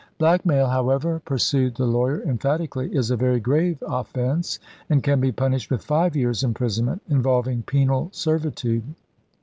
"Blackmail, however," pursued the lawyer, emphatically, "is a very grave offence, and can be punished with five years' imprisonment, involving penal servitude."